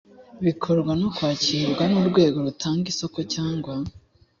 bikorwa no kwakirwa n urwego rutanga isoko cyangwa